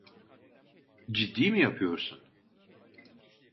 Ciddi mi yapıyorsun?